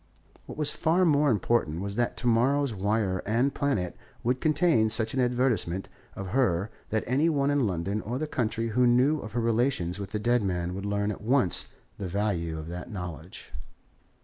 What was far more important was that tomorrow's Wire and Planet would contain such an advertisement of her that any one in London or the country who knew of her relations with the dead man would learn at once the value of that knowledge.